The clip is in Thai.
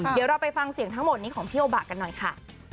เดี๋ยวเราไปฟังเสียงทั้งหมดนี้ของพี่โอบะกันหน่อยค่ะ